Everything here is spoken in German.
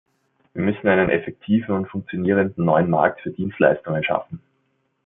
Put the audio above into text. Wir müssen einen effektiven und funktionierenden neuen Markt für Dienstleistungen schaffen.